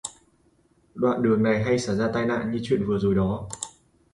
Đoạn đường này hay xảy ra tai nạn như chuyện vừa rồi đó